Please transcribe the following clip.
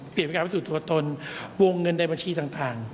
เปลี่ยนวิธีการวิธีตัวตนวงเงินใดบัญชีต่าง